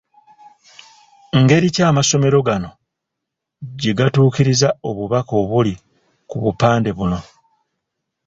Ngeri ki amasomero gano gye gatuukiriza obubaka obuli ku bupande buno?